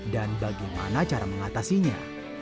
dan bagaimana cara mengatasinya